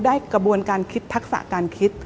กระบวนการคิดทักษะการคิด